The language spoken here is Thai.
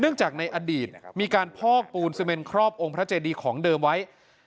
เนื่องจากในอดีตมีการพอกปูนเสมนครอบองค์พระเจดีธาตุของเดิมไว้